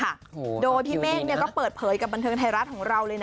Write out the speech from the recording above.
โอ้โฮความคิวดีนะโดยพี่เมฆก็เปิดเผยกับบันเทิงไทยรัฐของเราเลยนะ